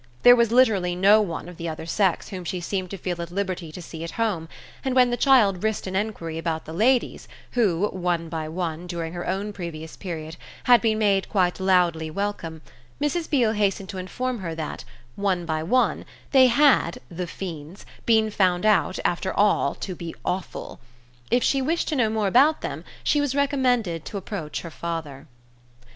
There was literally no one of the other sex whom she seemed to feel at liberty to see at home, and when the child risked an enquiry about the ladies who, one by one, during her own previous period, had been made quite loudly welcome, Mrs. Beale hastened to inform her that, one by one, they had, the fiends, been found out, after all, to be awful. If she wished to know more about them she was recommended to approach her father.